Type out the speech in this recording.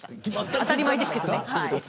当たり前ですけど。